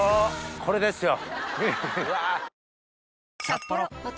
これですよ！